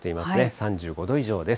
３５度以上です。